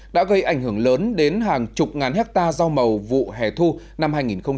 đã gây ảnh hưởng lớn đến hàng chục ngàn hectare rau màu vụ hè thu năm hai nghìn một mươi chín